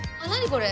これ。